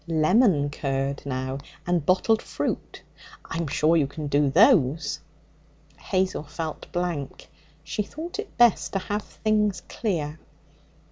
Lemon curd, now, and bottled fruit. I'm sure you can do those?' Hazel felt blank. She thought it best to have things clear.